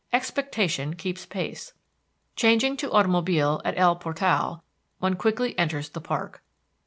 Expectation keeps pace. Changing to automobile at El Portal, one quickly enters the park.